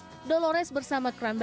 menyambutkan kesehatan dan kekejuan mereka